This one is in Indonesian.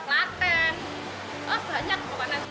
oh banyak kok panas